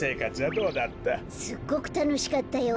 すっごくたのしかったよ。